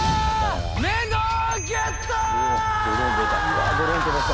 Δ錣ドローン出た。